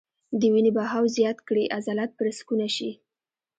د وينې بهاو زيات کړي عضلات پرسکونه شي -